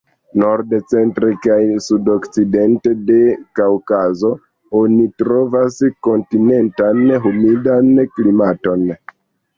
Norde, centre kaj sudokcidente de Kaŭkazo oni trovas kontinentan humidan klimaton.